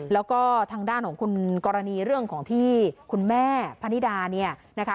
แล้วก็ทางด้านของคุณกรณีเรื่องของที่คุณแม่พนิดาเนี่ยนะคะ